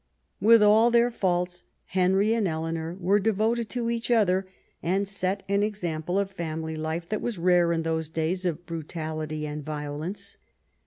With all their faults, Henry and Eleanor were devoted to each other, and set an example of family life that was rare in those days of brutality and violence.